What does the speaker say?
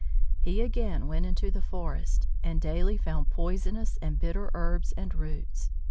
He again went into the forest, and daily found poisonous and bitter herbs and roots.